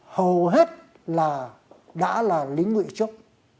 hầu hết là đã là lính ngụy trước